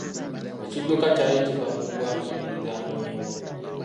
Ekidduka kyali kiva mu ggwanga eririnaanyeewo.